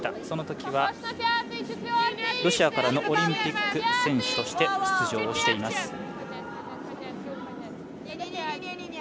そのときは、ロシアからのオリンピック選手として出場しています。